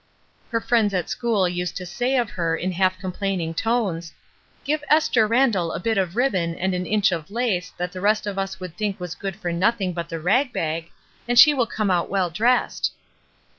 Her friends at school used to say of her in half complaining tones, ''Give Esther Randall a bit of ribbon and an inch of 394 ESTER RIED'S NAMESAKE lace that the rest of us would think was good for nothing but the ragbag, and she will come out well dressed."